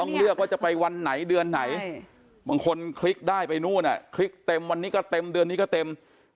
เลือกว่าจะไปวันไหนเดือนไหนบางคนคลิกได้ไปนู่นคลิกเต็มวันนี้ก็เต็มเดือนนี้ก็เต็ม